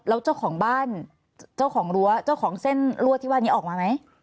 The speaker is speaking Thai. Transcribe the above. แล้วเจ้าของบ้านเจ้าของรั้วเจ้าของเส้นรั่วที่ว่านี้ออกมาไหม